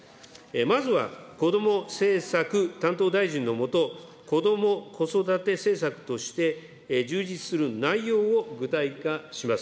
まずは、こども政策担当大臣の下、こども・子育て政策として充実する内容を具体化します。